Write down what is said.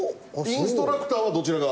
インストラクターはどちらが？